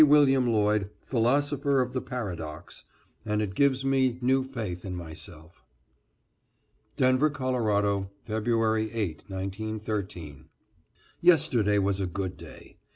William Lloyd, Philosopher of the Paradox," and it gives me new faith in myself. =Denver, Colo., February 8, 1913.= Yesterday was a good day.